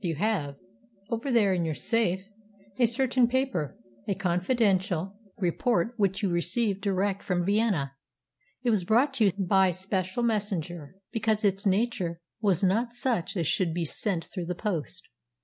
You have, over there in your safe, a certain paper a confidential report which you received direct from Vienna. It was brought to you by special messenger because its nature was not such as should be sent through the post.